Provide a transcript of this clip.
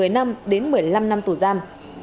một mươi năm đến một mươi năm năm tù giam